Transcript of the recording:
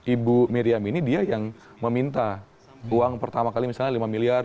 ibu miriam ini dia yang meminta uang pertama kali misalnya lima miliar